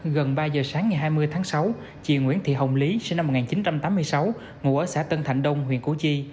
gần ba giờ sáng ngày hai mươi tháng sáu chị nguyễn thị hồng lý sinh năm một nghìn chín trăm tám mươi sáu ngụ ở xã tân thạnh đông huyện củ chi